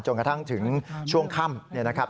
กระทั่งถึงช่วงค่ำเนี่ยนะครับ